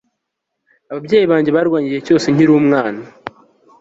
Ababyeyi banjye barwanye igihe cyose nkiri umwana